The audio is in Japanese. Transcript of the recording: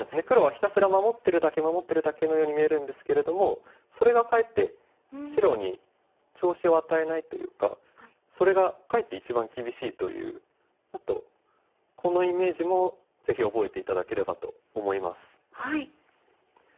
黒はひたすら守ってるだけ守ってるだけのように見えるんですけれどもそれがかえって白に調子を与えないというかそれがかえって一番厳しいというこのイメージもぜひ覚えて頂ければと思います。